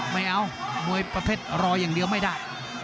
ไม่เอามวยประเภทรออย่างเดียวไม่ได้